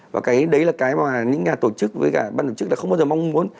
và cái đấy là cái mà những nhà tổ chức với cả ban tổ chức là không bao giờ mong muốn